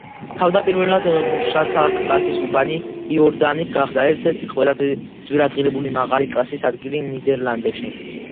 თავდაპირველად მუშათა კლასის უბანი, იორდანი, გახდა ერთ-ერთი ყველაზე ძვირადღირებული, მაღალი კლასის ადგილი ნიდერლანდებში.